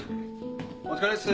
お疲れっす。